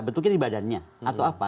bentuknya di badannya atau apa